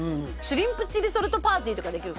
シュリンプチリソルトパーティー。